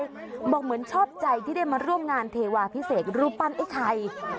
รบมือดีอกดีใจบอกเหมือนชอบใจที่ได้มาร่วมงานเทวาพิเศษรุปันไอ้ไทย